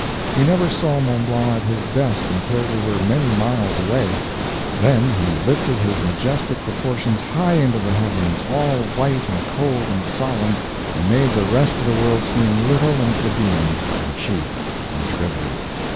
We never saw Mont Blanc at his best until we were many miles away; then he lifted his majestic proportions high into the heavens, all white and cold and solemn, and made the rest of the world seem little and plebeian, and cheap and trivial.